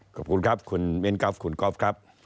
ขอบคุณครับคุณมิ้นกราฟคุณก๊อฟครับ